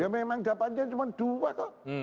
ya memang dapatnya cuma dua kok